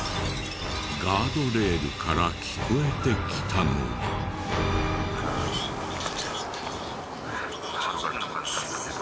ガードレールから聞こえてきたのは。